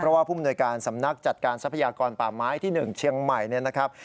เพราะว่าผู้มนวยการสำนักจัดการทรัพยากรป่าไม้ที่๑เชียงใหม่เนี่ยนะครับ